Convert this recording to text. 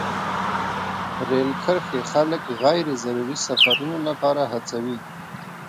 رېل کرښې خلک غیر ضروري سفرونو لپاره هڅوي.